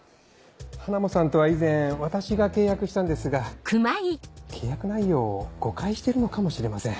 ハナモさんとは以前私が契約したんですが契約内容を誤解してるのかもしれません。